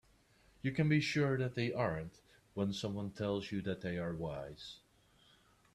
You can be sure that they aren't when someone tells you they are wise.